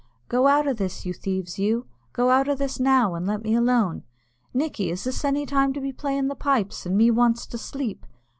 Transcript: "Go out o' this, you thieves, you go out o' this now, an' let me alone. Nickey, is this any time to be playing the pipes, and me wants to sleep?